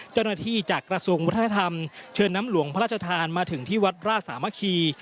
จากกระทรวงวัฒนธรรมเชิญน้ำหลวงพระราชทานมาถึงที่วัดราชสามัคคี